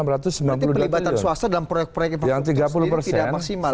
berarti perlibatan swasta dalam proyek proyek itu tidak maksimal